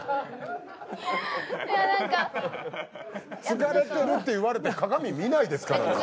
「疲れてる」って言われて鏡見ないですからね。